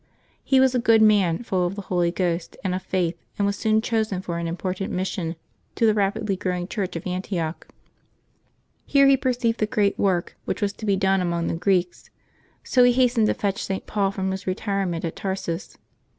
He was a good man, full of the Holy Ghost and of faith, and was soon chosen for an important mission to the rapidly growing Church of Antioch. Here he per ceived the great work which was to be done among the Greeks, so he hastened to fetch St. Paul from his retire ment at Tarsus.